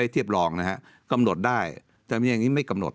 เทียบรองนะฮะกำหนดได้จะมีอย่างนี้ไม่กำหนด